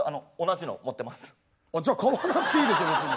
じゃあ買わなくていいでしょ別に！